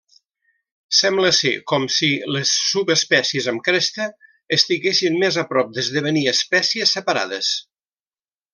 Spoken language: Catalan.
Sembla ser com si les subespècies amb cresta estiguessin més a prop d'esdevenir espècies separades.